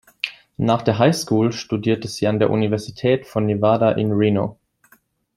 Nach der Highschool studierte sie an der Universität von Nevada in Reno.